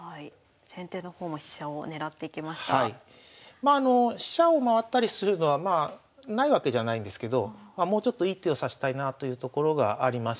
まあ飛車を回ったりするのはないわけじゃないんですけどもうちょっと一手を指したいなというところがあります。